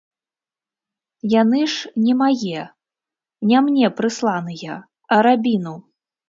Яны ж не мае, не мне прысланыя, а рабіну.